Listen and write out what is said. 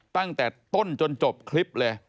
ตั้งแต่ต้นจนจบคลิปเลย